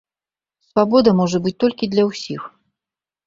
Свабода можа быць толькі для ўсіх.